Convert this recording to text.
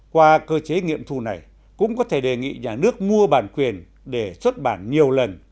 qua cơ chế nghiệm thu này cũng có thể đề nghị nhà nước mua bản quyền để xuất bản nhiều lần